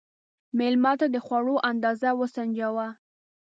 مېلمه ته د خوړو اندازه وسنجوه.